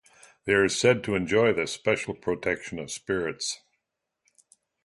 They are said to enjoy the special protection of spirits.